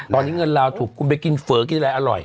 ตอนนี้เงินลาวถูกคุณไปกินเฝอกินอะไรอร่อย